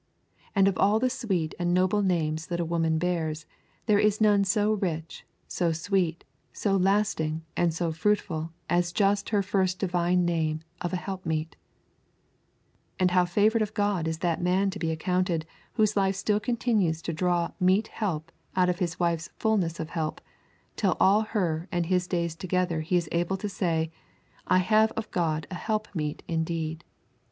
And of all the sweet and noble names that a woman bears, there is none so rich, so sweet, so lasting, and so fruitful as just her first Divine name of a helpmeet. And how favoured of God is that man to be accounted whose life still continues to draw meet help out of his wife's fulness of help, till all her and his days together he is able to say, I have of God a helpmeet indeed!